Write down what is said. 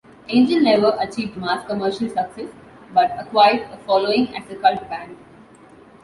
Angel never achieved mass commercial success but acquired a following as a cult band.